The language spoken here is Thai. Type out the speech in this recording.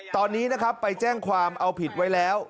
ตอนนี้ไปแจ้งความเอาผิดไว้แล้ว